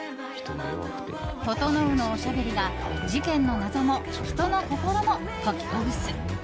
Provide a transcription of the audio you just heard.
整のおしゃべりが事件の謎も人の心も解きほぐす。